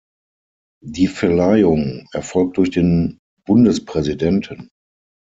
Die Verleihung erfolgt durch den Bundespräsidenten.